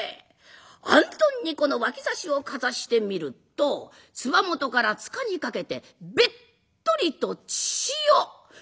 あんどんにこの脇差しをかざしてみるとつば元からつかにかけてべっとりと血を。